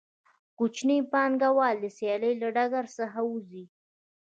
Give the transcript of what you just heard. کوچني پانګوال د سیالۍ له ډګر څخه وځي